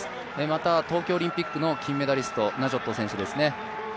また、東京オリンピックの金メダリストナジョット選手ですね。